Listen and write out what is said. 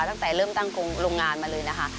ตั้งแต่เริ่มตั้งโรงงานมาเลยนะคะ